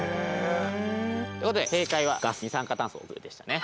ということで正解はガス二酸化炭素ということでしたね。